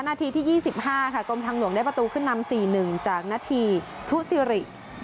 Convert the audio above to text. นาทีที่ยี่สิบห้าค่ะกรมทางหลวงได้ประตูขึ้นนำสี่หนึ่งจากนาทีทุศิริ